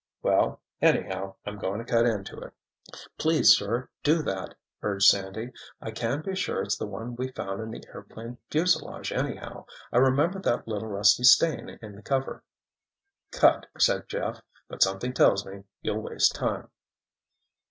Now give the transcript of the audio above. "Well, anyhow, I'm going to cut into it." "Please, sir, do that!" urged Sandy. "I can be sure it's the one we found in the airplane fuselage, anyhow—I remember that little rusty stain in the cover." "Cut," said Jeff, "but something tells me you'll waste time."